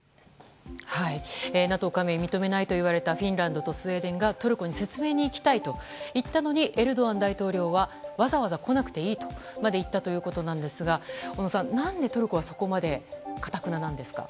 ＮＡＴＯ加盟を認めないと言われたフィンランドとスウェーデンがトルコに説明に行きたいといったのにエルドアン大統領はわざわざ来なくていいとまで言ったということなんですが小野さん、何でトルコはそこまでかたくななんですか？